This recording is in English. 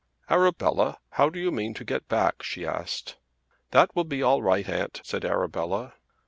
"Arabella, how do you mean to get back?" she asked. "That will be all right, aunt," said Arabella.